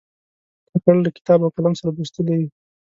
کاکړ له کتاب او قلم سره دوستي لري.